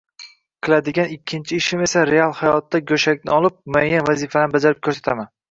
qiladigan ikkinchi ishim esa real holatda goʻshakni olib, muayyan vazifalarni bajarib koʻrsataman.